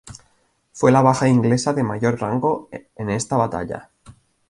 Fue la baja inglesa de mayor rango en esta batalla.